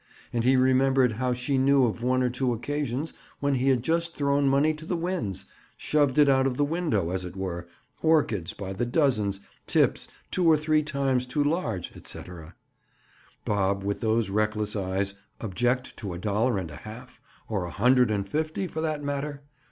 And he remembered how she knew of one or two occasions when he had just thrown money to the winds—shoved it out of the window, as it were—orchids, by the dozens, tips, two or three times too large, etc. Bob, with those reckless eyes, object to a dollar and a half—or a hundred and fifty, for that matter?